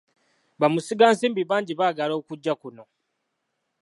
Bamusigansimbi bangi baagala okujja kuno.